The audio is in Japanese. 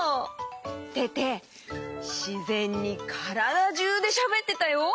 テテしぜんにからだじゅうでしゃべってたよ。